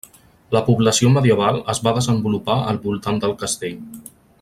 La població medieval es va desenvolupar al voltant del castell.